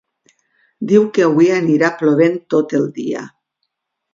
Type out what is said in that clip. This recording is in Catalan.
Diu que avui anirà plovent tot el dia